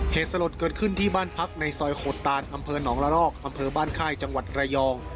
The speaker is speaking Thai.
เหตุสลดเกิดขึ้นที่บ้านพักในซอยโขดตานอำเภอหนองละลอกอำเภอบ้านค่ายจังหวัดระยอง